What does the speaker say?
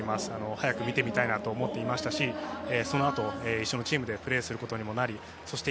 早く見てみたいなと思っていましたしそのあと一緒にチームでプレーすることにもなりそして